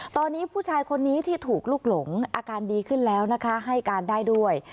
ตอนนี้ผู้ชายคนนี้ที่ถูกลุกหลงอาการดีขึ้นแล้วนะคะให้การได้ด้วย